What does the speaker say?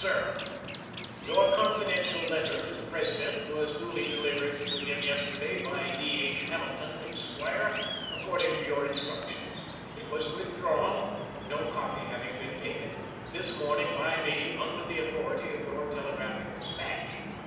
Sir: Your confidential letter to the President was duly delivered to him yesterday by D. H. Hamilton, Esq., according to your instructions. It was withdrawn (no copy having been taken) this morning by me, under the authority of your telegraphic dispatch.